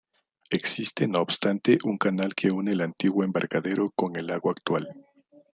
Existe, no obstante, un canal que une el antiguo embarcadero con el lago actual.